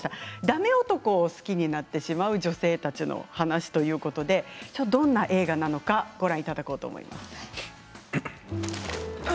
だめ男を好きになってしまう女性たちの話ということでどんな映画かご覧いただこうと思います。